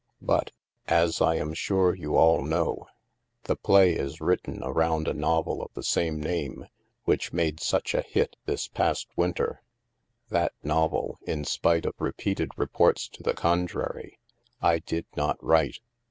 "But, as I am sure you all know, the play is 314 THE MASK written around the novel of the same name which made such a hit this past winter. That novel, in spite of repeated reports to the contrary, I did not write.